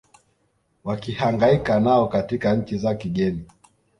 wakihangaika nao katika nchi za kigeni